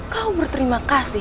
kau berterima kasih